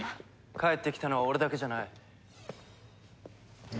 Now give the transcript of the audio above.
帰ってきたのは俺だけじゃない。